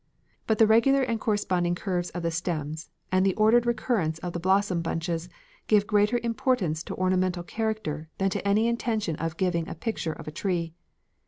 But the regular and corresponding curves of the stems, and the ordered recurrence of the blossom bunches, give greater importance to ornamental character than to any intention of giving a picture of a tree.